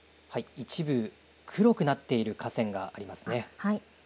一部黒くなっている河川がありますね。